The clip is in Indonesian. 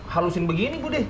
halusin begini bu deh